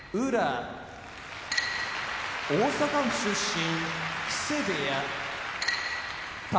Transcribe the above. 大阪府出身木瀬部屋宝